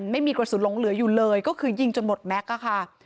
ไม่มีกระสุนหลงเหลืออยู่เลยก็คือยิงจนหมดแม็กซ์ค่ะ